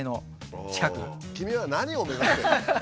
君は何を目指してるの？